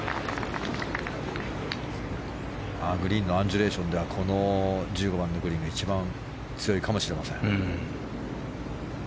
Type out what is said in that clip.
グリーンのアンジュレーションではこの１５番のグリーンが一番強いかもしれません。